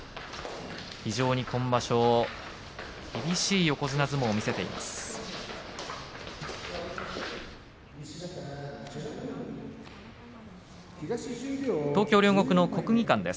非常に今場所、厳しい横綱相撲を見せています照ノ富士です。